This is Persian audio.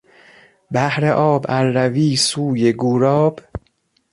بهر آب ار روی سوی گوراب...